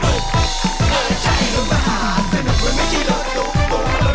เออใช่รถประหาสนุกมันไม่ใช่รถตุ๊กตุ๊ก